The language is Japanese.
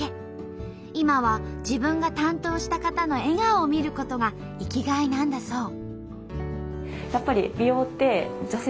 今は自分が担当した方の笑顔を見ることが生きがいなんだそう。